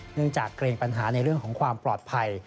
จากเกรงปัญหาในเรื่องของความปลอดภัย